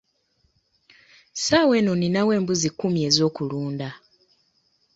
Ssaawa eno ninawo embuzi kkumi ez'okuluda.